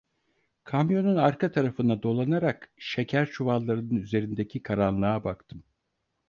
Kamyonun arka tarafına dolanarak şeker çuvallarının üzerindeki karanlığa baktım.